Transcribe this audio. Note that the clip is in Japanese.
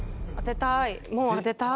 当てたい。